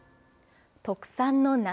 特産の梨。